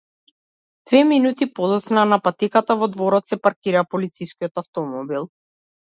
Две минути подоцна на патеката во дворот се паркира полицискиот автомобил.